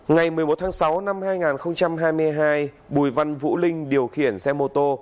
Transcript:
ngày một mươi một tháng sáu năm hai nghìn hai mươi hai bùi văn vũ linh điều khiển xe mô tô